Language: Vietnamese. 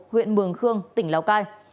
huyện mường khương tỉnh lào cai